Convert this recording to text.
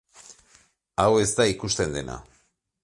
Hau ez da ikusten dena.